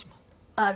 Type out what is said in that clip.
あら！